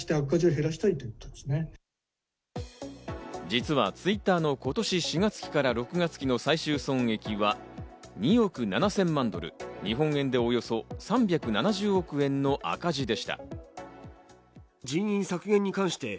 実はＴｗｉｔｔｅｒの今年４月期から６月期の最終損益は２億７０００万ドル、日本円でおよそ３７０億円の赤字でした。